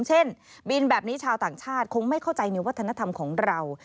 เช่นบินแบบนี้ชาวต่างชาติคงไม่เข้าใจในวัฒนธรรมของเรา